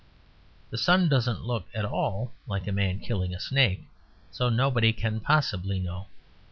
The sun doesn't look at all like a man killing a snake; so nobody can possibly know.